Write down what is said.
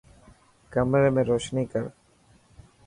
ڪمري ۾ روشني ڪر.